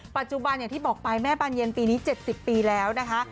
ปัจจุบันอย่างที่บอกไปแม่บานเย็นปีนี้๗๐ปีแล้วนะคะ